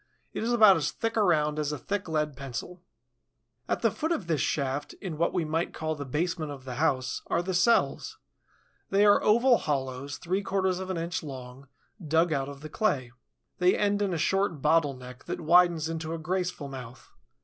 It is about as thick around as a thick lead pencil. At the foot of this shaft, in what we might call the basement of the house, are the cells. They are oval hollows, three quarters of an inch long, dug out of the clay. They end in a short bottle neck that widens into a graceful mouth.